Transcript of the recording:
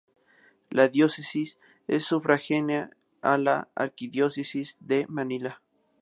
La diócesis es sufragánea a la Arquidiócesis de Manila.